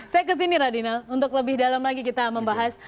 saya kesini radinal untuk lebih dalam lagi kita membahas